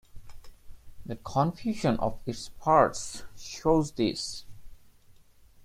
The confusion of its parts shows this.